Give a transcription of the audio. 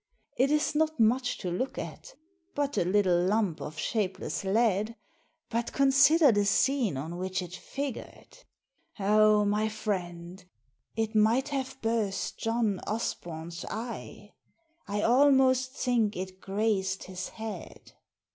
It is not much to look at, but a little lump of shapeless lead, but consider the scene on which it figured. Oh, my friend, it might have burst John Osbom's eye — I almost think it grazed his head."